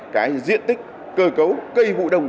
cái diện tích cơ cấu cây vũ đông